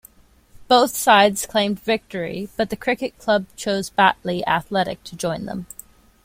Both sides claimed victory but the cricket club chose Batley Athletic to join them.